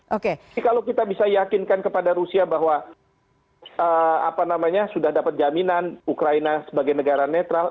jadi kalau kita bisa yakinkan kepada rusia bahwa sudah dapat jaminan ukraina sebagai negara netral